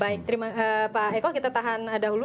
baik terima kasih pak heko kita tahan dahulu